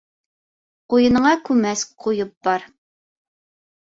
Ҡуйыныңа күмәс ҡуйып бар.